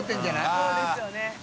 そうですよね。